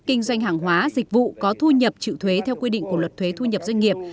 kinh doanh hàng hóa dịch vụ có thu nhập chịu thuế theo quy định của luật thuế thu nhập doanh nghiệp